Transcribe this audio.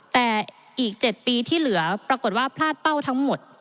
แต่อีก๗ปีที่เหลือปรากฏว่าพลาดเป้าทั้งหมด